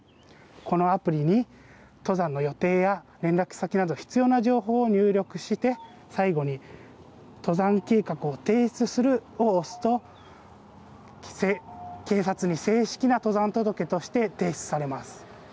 このアプリに登山の予定や連絡先など、必要な情報を入力して、最後に登山計画を提出するを押すと、警察に正式な登山届として提出されます。